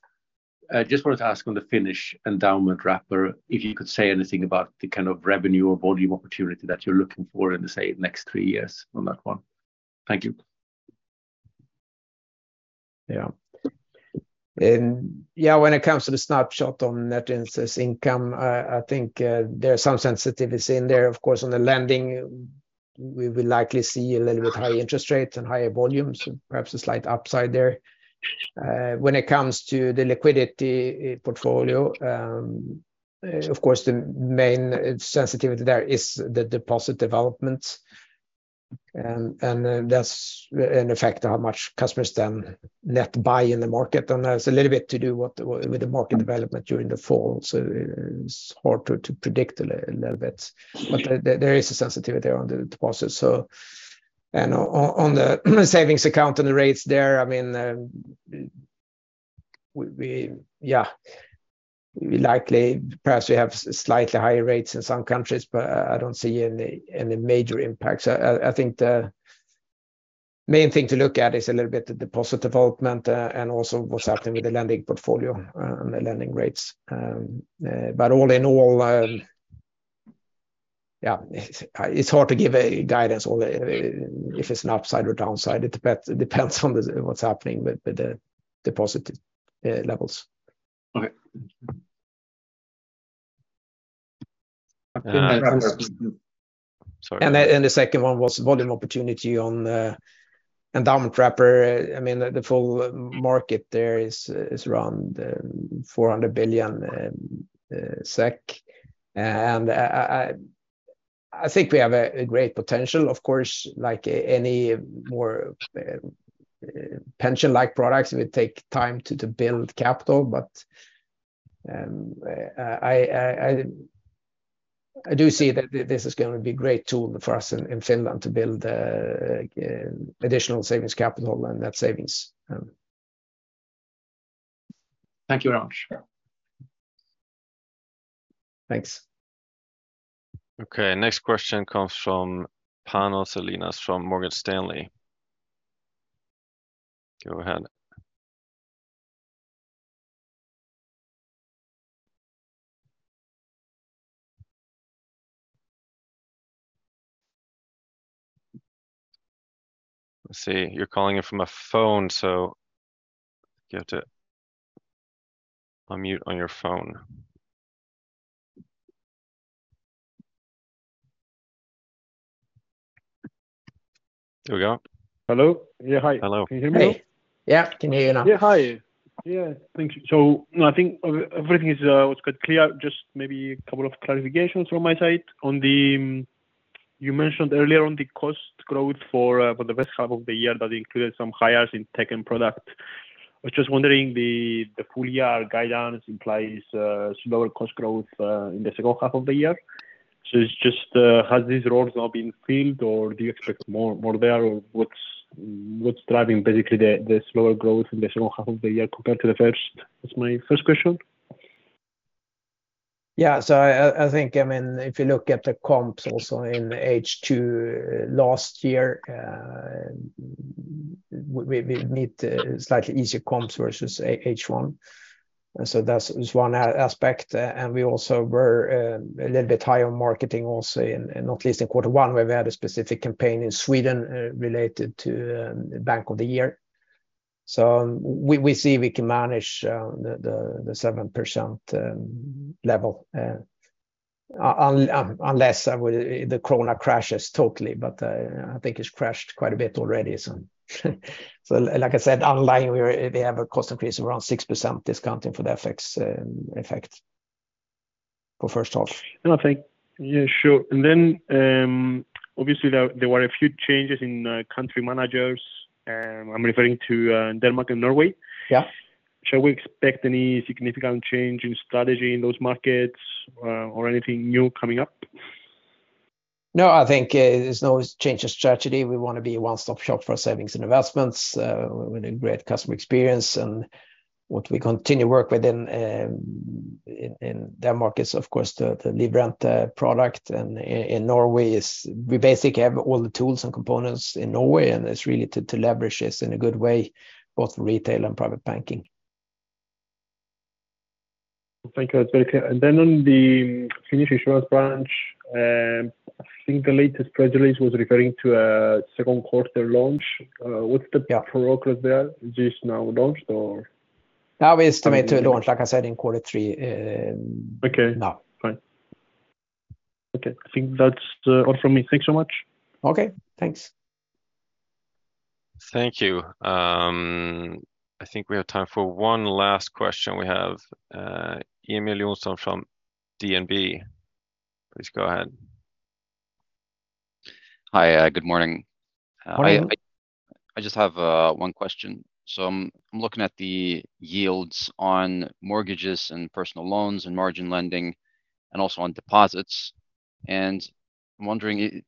I just wanted to ask on the Finnish endowment wrapper, if you could say anything about the kind of revenue or volume opportunity that you're looking for in, the say, next three years on that one. Thank you. Yeah, when it comes to the snapshot on net interest income, I think there are some sensitivity in there. Of course, on the lending, we will likely see a little bit high interest rates and higher volumes, perhaps a slight upside there. When it comes to the liquidity portfolio, of course, the main sensitivity there is the deposit development, and that's an effect of how much customers then net buy in the market. That's a little bit to do with the market development during the fall. It's hard to predict a little bit. There is a sensitivity on the deposit. On the savings account and the rates there, I mean, we likely, perhaps we have slightly higher rates in some countries, but I don't see any major impacts. I think the main thing to look at is a little bit the deposit development, and also what's happening with the lending portfolio, and the lending rates. All in all, it's hard to give a guidance on the, if it's an upside or downside. It depends on the, what's happening with the positive levels. Okay. Sorry. The second one was volume opportunity on the endowment wrapper. I mean, the full market there is around 400 billion SEK. I think we have a great potential, of course, like any more pension-like products, it will take time to build capital. I do see that this is gonna be a great tool for us in Finland to build additional savings capital and net savings. Thank you very much. Thanks. Okay. Next question comes from Piers Salinas from Morgan Stanley. Go ahead. Let's see. You're calling in from a phone, so you have to unmute on your phone. There we go. Hello? Yeah. Hi. Hello. Can you hear me? Hey. Yeah, can hear you now. Hi. Yeah, thank you. I think everything was quite clear. Just maybe a couple of clarifications from my side. You mentioned earlier on the cost growth for the 1st half of the year, that included some hires in tech and product. I was just wondering, the full year guidance implies slower cost growth in the 2nd half of the year. It's just, has these roles now been filled, or do you expect more there? What's driving basically the slower growth in the 2nd half of the year compared to the 1st? That's my 1st question. Yeah. I think, I mean, if you look at the comps also in H2 last year, we meet slightly easier comps versus H1. That's just one aspect. We also were a little bit high on marketing also in at least in Q1, where we had a specific campaign in Sweden related to the Bank of the Year. We see we can manage the 7% level unless the krona crashes totally, but I think it's crashed quite a bit already, like I said, underlying, we have a cost increase of around 6%, discounting for the FX effect for first half. I think. Yeah, sure. Obviously, there were a few changes in country managers. I'm referring to Denmark and Norway. Yeah. Shall we expect any significant change in strategy in those markets, or anything new coming up? No, I think, there's no change of strategy. We wanna be a one-stop shop for savings and investments, with a great customer experience. What we continue work within, in Denmark is, of course, the livrente product. In Norway is we basically have all the tools and components in Norway, and it's really to leverage this in a good way, both retail and private banking. Thank you. That's very clear. On the Finnish insurance branch, I think the latest press release was referring to a second quarter launch. Yeah. What's the progress there? Is this now launched or? Now we estimate to launch, like I said, in quarter three. Okay. Now. Fine. Okay, I think that's all from me. Thank you so much. Okay, thanks. Thank you. I think we have time for one last question. We have Emil Jonsson from DNB. Please go ahead. Hi, good morning. Good morning. I just have one question. I'm looking at the yields on mortgages and personal loans and margin lending and also on deposits, and I'm wondering,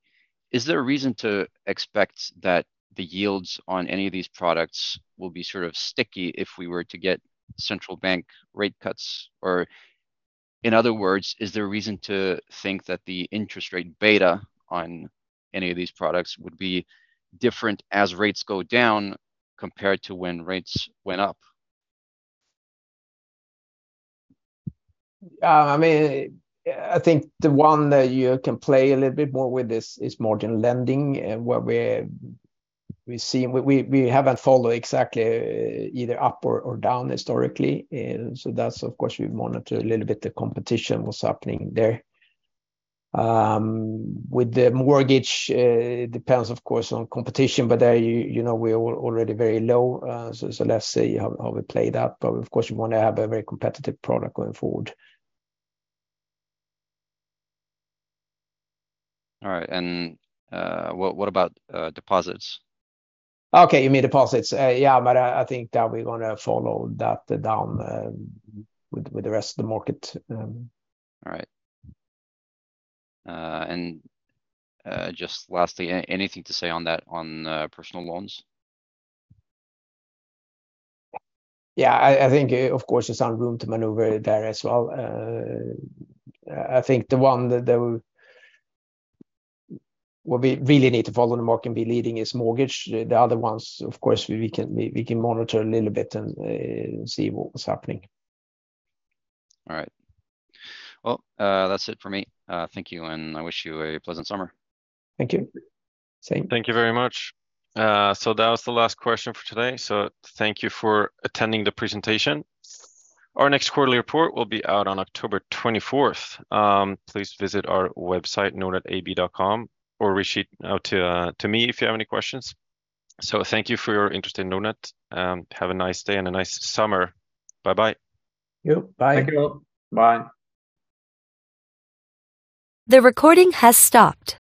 is there a reason to expect that the yields on any of these products will be sort of sticky if we were to get central bank rate cuts? In other words, is there a reason to think that the interest rate beta on any of these products would be different as rates go down compared to when rates went up? I mean, I think the one that you can play a little bit more with this is margin lending, where we haven't followed exactly either up or down historically. That's, of course, we monitor a little bit the competition, what's happening there. With the mortgage, it depends, of course, on competition, but, you know, we're already very low. Let's see how we play that. Of course, we wanna have a very competitive product going forward. All right. What about deposits? Okay, you mean deposits? Yeah, but I think that we're gonna follow that down with the rest of the market. All right. Just lastly, anything to say on that, on, personal loans? Yeah, I think, of course, there's some room to maneuver there as well. I think the one that what we really need to follow the market and be leading is mortgage. The other ones, of course, we can monitor a little bit and see what's happening. All right. Well, that's it for me. Thank you, and I wish you a pleasant summer. Thank you. Same. Thank you very much. That was the last question for today, so thank you for attending the presentation. Our next quarterly report will be out on October 24th. Please visit our website, nordnetab.com, or reach out to me if you have any questions. Thank you for your interest in Nordnet, and have a nice day and a nice summer. Bye-bye. Yep, bye. Thank you. Bye. The recording has stopped.